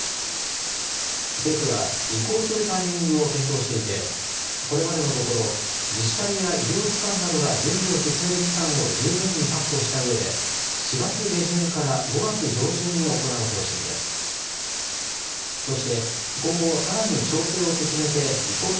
政府は、移行するタイミングを検討していて、これまでのところ、自治体や医療機関などが準備を進める期間を十分に確保したうえで、４月下旬から５月上旬に行う方針です。